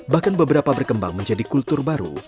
bahkan beberapa berkembang menjadi kultur baru